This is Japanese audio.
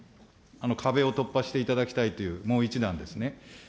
壁を突破していただきたいという、もう一段ですね。